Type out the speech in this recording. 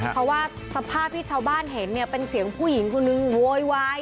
เพราะว่าสภาพที่ชาวบ้านเห็นเนี่ยเป็นเสียงผู้หญิงคนนึงโวยวาย